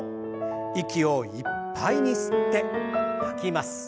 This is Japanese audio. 息をいっぱいに吸って吐きます。